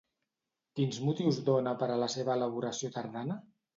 Quins motius dona per a la seva elaboració tardana?